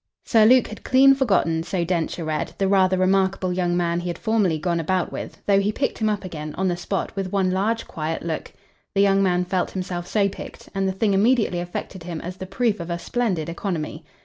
Sir Luke had clean forgotten so Densher read the rather remarkable young man he had formerly gone about with, though he picked him up again, on the spot, with one large quiet look. The young man felt himself so picked, and the thing immediately affected him as the proof of a splendid economy.